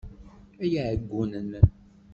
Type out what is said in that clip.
Ay iɛeggunen!